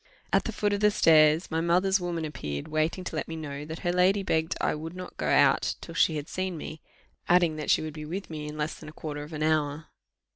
At the foot of the stairs my mother's woman appeared, waiting to let me know that her lady begged I would not go out till she had seen me adding, that she would be with me in less than a quarter of an hour.